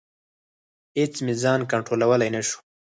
اېڅ مې ځان کنټرولولی نشو.